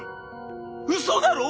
「うそだろ？